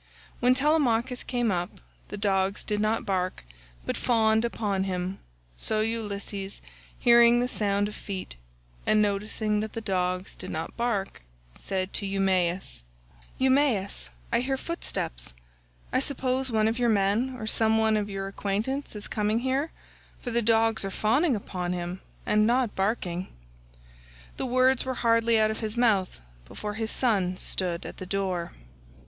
When Telemachus came up, the dogs did not bark but fawned upon him, so Ulysses, hearing the sound of feet and noticing that the dogs did not bark, said to Eumaeus: "Eumaeus, I hear footsteps; I suppose one of your men or some one of your acquaintance is coming here, for the dogs are fawning upon him and not barking." The words were hardly out of his mouth before his son stood at the door.